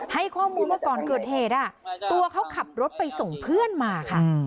ให้ข้อมูลว่าก่อนเกิดเหตุตัวเขาขับรถไปส่งเพื่อนมาค่ะ